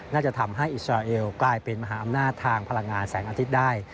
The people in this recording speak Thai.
น่าจะทำให้อิสราเอลกลายเป็นมหาอำนาจทางพลังงานแสงอาทิตย์ได้